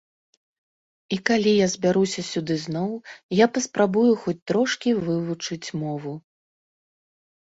І калі я збяруся сюды зноў, я паспрабую хоць трошкі вывучыць мову.